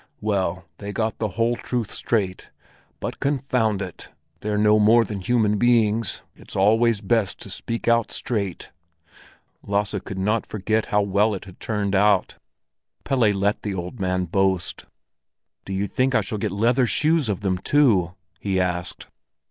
Well, they got the whole truth straight, but confound it! they're no more than human beings. It's always best to speak out straight." Lasse could not forget how well it had turned out. Pelle let the old man boast. "Do you think I shall get leather shoes of them too?" he asked.